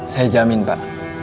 saya jamin pak